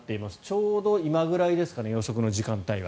ちょうど今ぐらいですかね予測の時間帯が。